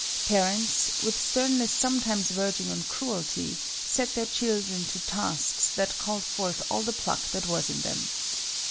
Parents, with sternness sometimes verging on cruelty, set their children to tasks that called forth all the pluck that was in them.